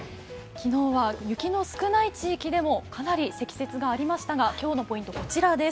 昨日は雪の少ない地域でもかなり積雪がありましたが今日のポイント、こちらです。